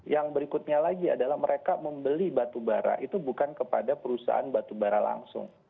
yang berikutnya lagi adalah mereka membeli batubara itu bukan kepada perusahaan batubara langsung